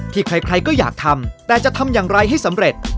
ใครก็อยากทำแต่จะทำอย่างไรให้สำเร็จ